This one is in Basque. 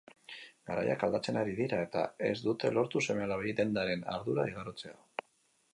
Garaiak aldatzen ari dira eta ez dute lortu seme-alabei dendaren ardura igarotzea.